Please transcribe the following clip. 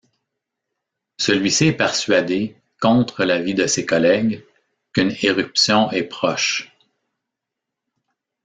Celui-ci est persuadé, contre l'avis de ses collègues, qu'une éruption est proche.